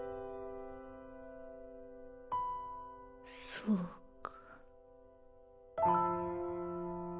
そうか。